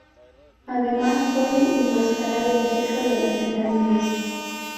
Además puede enmascarar el efecto de las vitaminas.